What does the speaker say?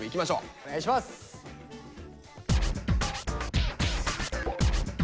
お願いします。